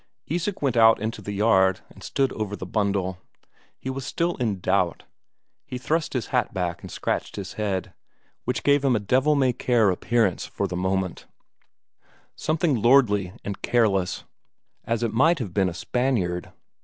Isak went out into the yard and stood over the bundle. He was still in doubt; he thrust his hat back and scratched his head, which gave him a devil may care appearance for the moment; something lordly and careless, as it might have been a Spaniard.